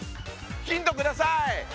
ヒントください。